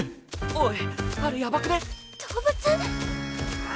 おい！